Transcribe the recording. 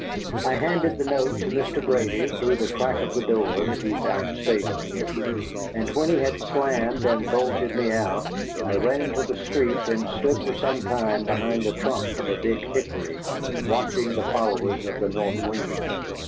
I handed the note to Mr. Brady through the crack of the door that he vouchsafed to me, and when he had slammed and bolted me out, I ran into the street and stood for some time behind the trunk of a big hickory, watching the followers of the North Wind.